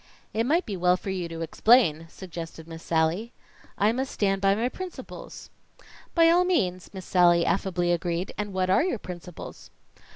"It might be well for you to explain," suggested Miss Sallie. "I must stand by my principles." "By all means!" Miss Sallie affably agreed. "And what are your principles?"